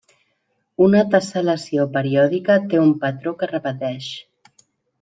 Una tessel·lació periòdica té un patró que es repeteix.